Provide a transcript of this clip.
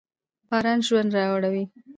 باران ژوند راوړي.